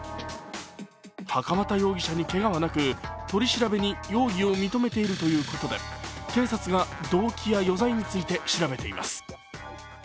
袴田容疑者にけがはなく取り調べに容疑を認めているということで警察が動機や余罪について調べています。